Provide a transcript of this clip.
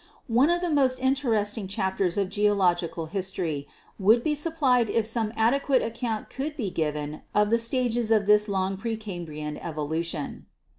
One of the most interesting chapters of geological history would be supplied if some adequate account could be given of the stages of this long pre Cambrian evolution.